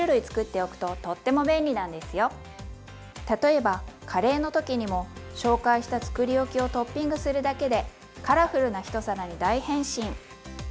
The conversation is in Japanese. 例えばカレーの時にも紹介したつくりおきをトッピングするだけでカラフルな１皿に大変身！